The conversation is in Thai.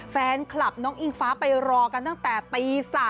แฟนคลับน้องอิงฟ้าไปรอกันตั้งแต่ตี๓